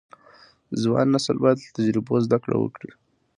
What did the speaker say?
ځوان نسل باید له تجربو زده کړه وکړي.